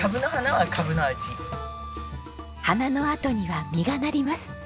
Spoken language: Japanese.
花のあとには実がなります。